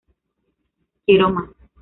Quiero más.